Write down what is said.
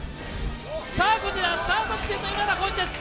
こちらスタート地点の今田耕司です。